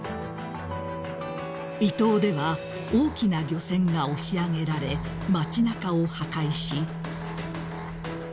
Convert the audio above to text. ［伊東では大きな漁船が押し上げられ街なかを破壊し］